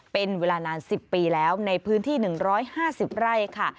เป็นเวลานาน๑๐ปีแล้วในพื้นที่๑๕๐ไร่ค่ะ